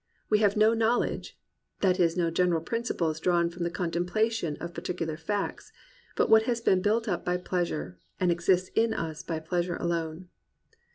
We have no knowl edge, that is no general principles drawn from the contemplation of particular facts, but what has been built up by pleasure, and exists in us by plea sure alone."